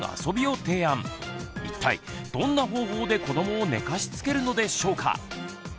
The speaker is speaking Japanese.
一体どんな方法で子どもを寝かしつけるのでしょうか？